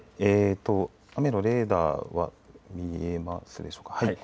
雨のレーダーは見えますでしょうか。